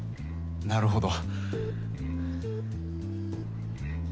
なるほど。